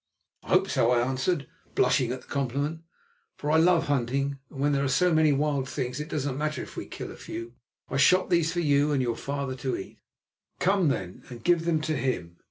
"I hope so," I answered, blushing at the compliment, "for I love hunting, and when there are so many wild things it does not matter if we kill a few. I shot these for you and your father to eat." "Come, then, and give them to him.